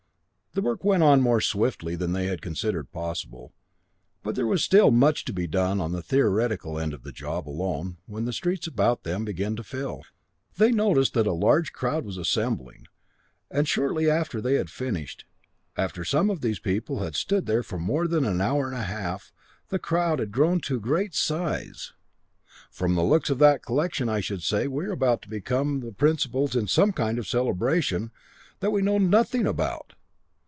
The work went on more swiftly than they had considered possible, but there was still much to be done on the theoretical end of the job alone when the streets about them began to fill. They noticed that a large crowd was assembling, and shortly after they had finished, after some of these people had stood there for more than an hour and a half, the crowd had grown to great size. "From the looks of that collection, I should say we are about to become the principals in some kind of a celebration that we know nothing about.